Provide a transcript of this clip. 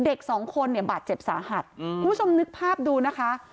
เด็กสองคนเนี่ยบาดเจ็บสาหัสคุณผู้ชมนึกภาพดูนะคะ